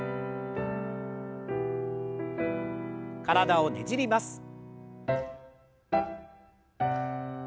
体をねじります。